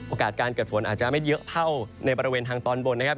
การเกิดฝนอาจจะไม่เยอะเท่าในบริเวณทางตอนบนนะครับ